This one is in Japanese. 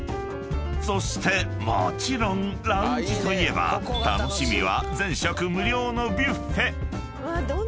［そしてもちろんラウンジといえば楽しみは全食無料のビュッフェ］